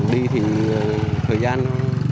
đi thì thời gian